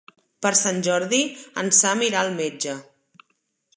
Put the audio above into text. Per Sant Jordi en Sam irà al metge.